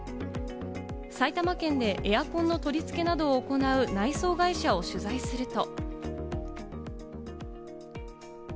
埼玉県でエアコンの取り付けなどを行う内装会社を取材すると。